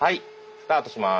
スタートします。